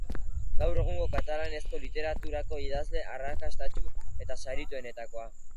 Gaur egungo katalanezko literaturako idazle arrakastatsu eta sarituenetakoa.